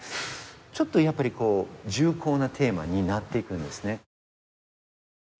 ちょっとやっぱりこう重厚なテーマになっていくんですね